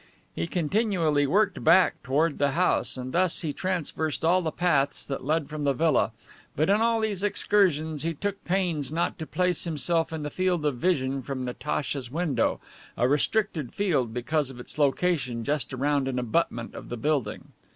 He continually worked back toward the house, and thus he traversed all the paths that led from the villa, but in all these excursions he took pains not to place himself in the field of vision from Natacha's window, a restricted field because of its location just around an abutment of the building.